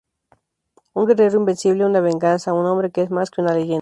Un guerrero invencible, una venganza, un hombre que es más que una leyenda.